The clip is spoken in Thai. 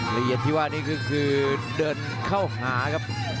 ละเอียดที่ว่านี่คือเดินเข้าหาครับ